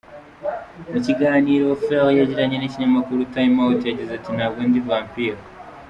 Mu kiganiro Pherrel yagiranye n’ikinyamakuru Time Out yagize ati “Ntabwo ndi vampire.